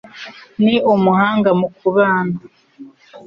Ni umuhanga mu kubana.